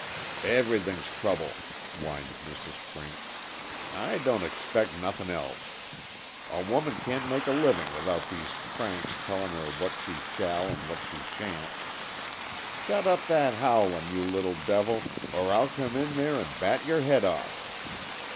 "Everything's trouble," whined Mrs. Crink. "I don't expect nothing else. A woman can't make a living without these cranks tellin' her what she shall and what she shan't. Shut up that howlin', you little devil, or I'll come in there and bat your head off."